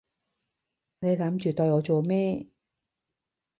你諗住對我做咩？